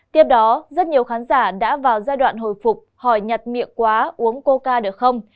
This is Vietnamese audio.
tiếp đó rất nhiều khán giả đã vào giai đoạn hồi phục hỏi nhặt miệng quá uống cô ca được không